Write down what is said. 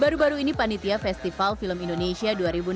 baru baru ini panitia festival film indonesia dua ribu enam belas